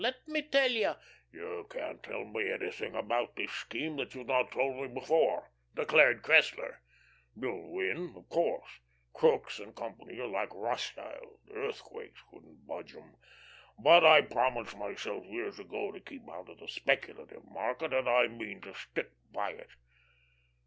Let me tell you " "You can't tell me anything about this scheme that you've not told me before," declared Cressler. "You'll win, of course. Crookes & Co. are like Rothschild earthquakes couldn't budge 'em. But I promised myself years ago to keep out of the speculative market, and I mean to stick by it."